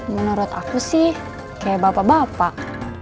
menurut aku sih kayak bapak bapak